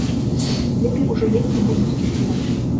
Лепей ужо есці бульбу з кефірам.